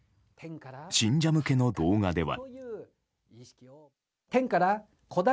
信者向けの動画では。